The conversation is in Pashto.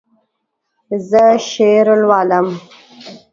زه شعر لولم